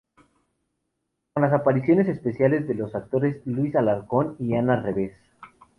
Con las participaciones especiales de los actores Luis Alarcón y Ana Reeves.